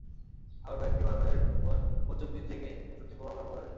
আবার কয়েকটি বানরের ওপর পঞ্চম দিন থেকে ওষুধটির প্রভাব লক্ষ করা যায়।